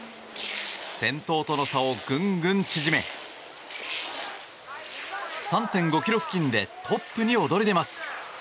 先頭との差をグングン縮め３．５ｋｍ付近でトップに躍り出ます。